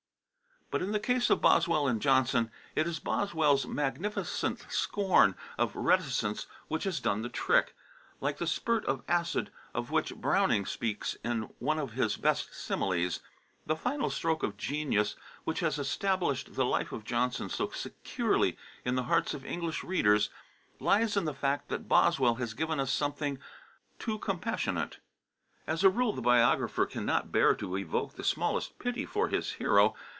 But in the case of Boswell and Johnson, it is Boswell's magnificent scorn of reticence which has done the trick, like the spurt of acid, of which Browning speaks in one of his best similes. The final stroke of genius which has established the Life of Johnson so securely in the hearts of English readers, lies in the fact that Boswell has given us something to compassionate. As a rule the biographer cannot bear to evoke the smallest pity for his hero.